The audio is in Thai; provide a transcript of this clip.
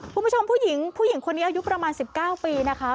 คุณผู้ชมผู้หญิงผู้หญิงคนนี้อายุประมาณ๑๙ปีนะคะ